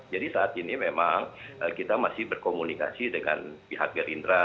jadi saat ini memang kita masih berkomunikasi dengan pihak gerindra